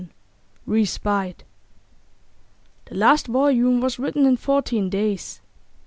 RESPITE The last volume was written in fourteen days.